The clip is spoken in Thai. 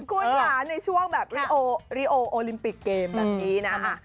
คุณค่ะในช่วงแบบริโอโอลิมปิกเกมแบบนี้นะ